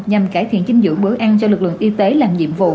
nhằm cải thiện dinh dưỡng bữa ăn cho lực lượng y tế làm nhiệm vụ